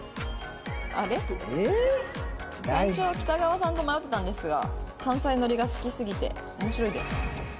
「最初は北川さんと迷ってたんですが関西ノリが好きすぎて面白いです」。